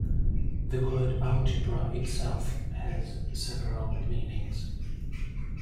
The word "algebra" itself has several meanings.